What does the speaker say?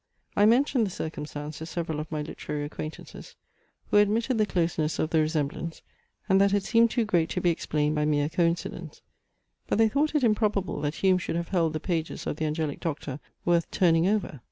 I mentioned the circumstance to several of my literary acquaintances, who admitted the closeness of the resemblance, and that it seemed too great to be explained by mere coincidence; but they thought it improbable that Hume should have held the pages of the Angelic Doctor worth turning over.